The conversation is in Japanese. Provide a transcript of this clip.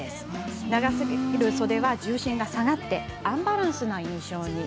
長すぎる袖は、重心が下がりアンバランスな印象に。